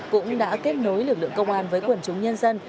cũng đã kết nối lực lượng công an với quần chúng nhân dân